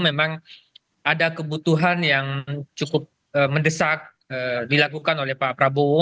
memang ada kebutuhan yang cukup mendesak dilakukan oleh pak prabowo